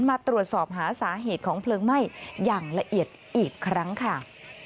มาตรวจสอบหาสาเหตุของเพลิงไหม้อย่างละเอียดอีกครั้งค่ะ